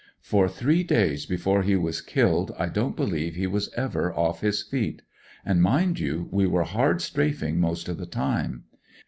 For three days before he was killed I don't beUeve he was ever off his feet. And, mind you, we were hard strafing most of the tune.